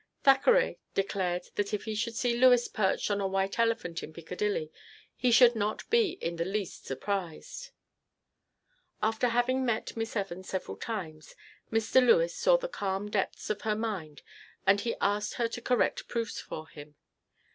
Thackeray declared that if he should see Lewes perched on a white elephant in Piccadilly he should not be in the least surprised. After having met Miss Evans several times, Mr. Lewes saw the calm depths of her mind and he asked her to correct proofs for him.